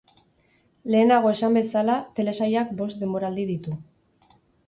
Lehenago esan bezala, telesailak bost denboraldi ditu.